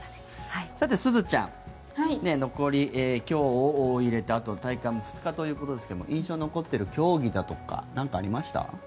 さて、すずちゃん残り、今日を入れてあと大会も２日ということですが印象に残っている競技は何かありましたか？